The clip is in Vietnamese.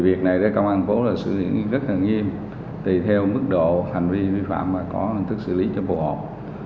việc này công an thành phố xử lý rất nghiêm theo mức độ hành vi vi phạm và có hình thức xử lý cho phù hợp